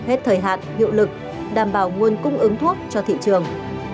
để hạt hiệu lực đảm bảo nguồn cung ứng thuốc cho thị trường